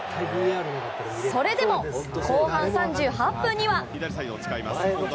それでも後半３８分には。